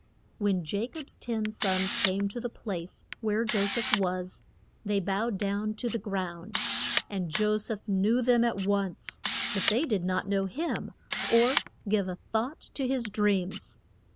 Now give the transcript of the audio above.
] When Ja cob's ten sons came to the place where Jo seph was, they bowed down to the ground. And Jo seph knew them at once, but they did not know him, or give a thought to his dreams.